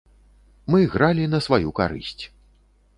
Мы гралі на сваю карысць.